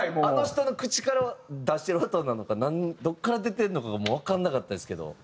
あの人の口から出してる音なのかどこから出てるのかがもうわからなかったですけど。